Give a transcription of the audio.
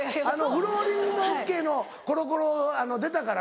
フローリングもＯＫのコロコロ出たからな。